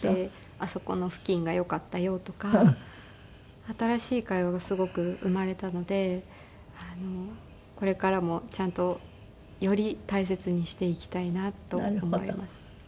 「あそこの布巾が良かったよ」とか新しい会話がすごく生まれたのでこれからもちゃんとより大切にしていきたいなと思います。